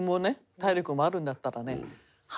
体力もあるんだったらね。